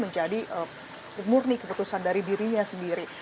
jadi murni keputusan dari dirinya sendiri